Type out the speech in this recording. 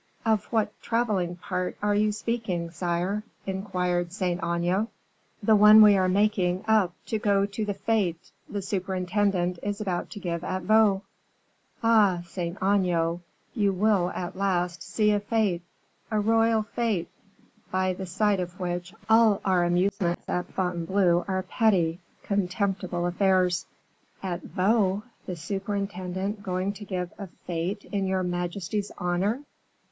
"Of what traveling part are you speaking, sire?" inquired Saint Aignan. "The one we are making up to go to the fete the superintendent is about to give at Vaux. Ah! Saint Aignan, you will, at last, see a fete, a royal fete, by the side of which all our amusements at Fontainebleau are petty, contemptible affairs." "At Vaux! the superintendent going to give a fete in your majesty's honor?